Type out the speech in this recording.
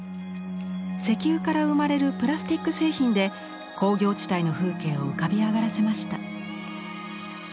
石油から生まれるプラスティック製品で工業地帯の風景を浮かび上がらせました。